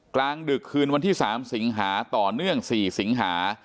กลางดึกคืนวันที่๓สิงหาต่อเนื่อง๔สิงหา